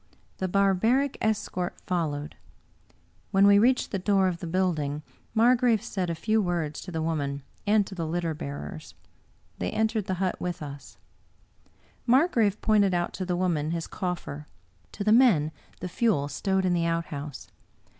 The barbaric escort followed. When we reached the door of the building, Margrave said a few words to the woman and to the litter bearers. They > Margrave's former ntirse and attendant. 76 Bulwer Lyfton entered the hut with us. Margrave pointed out to the woman his coffer, to the men the fuel stowed in the out house.